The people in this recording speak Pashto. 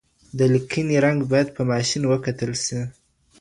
د لیکنې رنګ باید په ماشین وکتل سی.